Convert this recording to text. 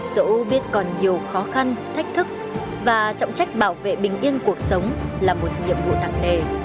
dẫu biết còn nhiều khó khăn thách thức và trọng trách bảo vệ bình yên cuộc sống là một nhiệm vụ nặng nề